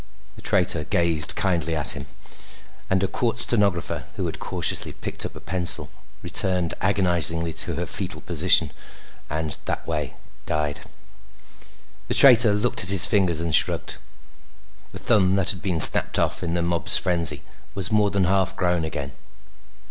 The traitor gazed kindly at him; and a court stenographer who had cautiously picked up a pencil returned agonizingly to her foetal position and, that way, died. The traitor looked at his fingers and shrugged. The thumb that had been snapped off in the mob's frenzy was more than half grown again.